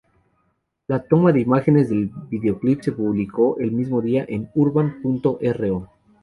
La toma de imágenes del videoclip se publicó el mismo día en Urban.ro.